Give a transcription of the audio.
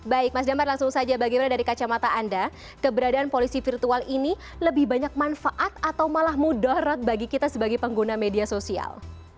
baik mas damar langsung saja bagaimana dari kacamata anda keberadaan polisi virtual ini lebih banyak manfaat atau malah mudarat bagi kita sebagai pengguna media sosial